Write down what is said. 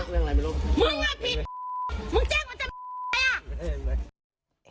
มึงแจ้งตำรวจไปอะ